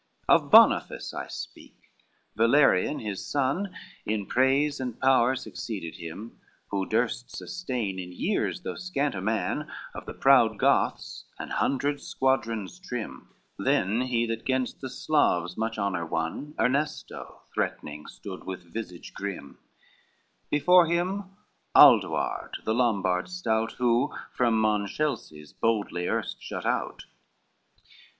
LXXIII Of Boniface I speak; Valerian, His son, in praise and power succeeded him, Who durst sustain, in years though scant a man, Of the proud Goths an hundred squadrons trim: Then he that gainst the Sclaves much honor wan, Ernesto, threatening stood with visage grim; Before him Aldoard, the Lombard stout Who from Monselce boldly erst shut out.